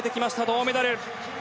銅メダル。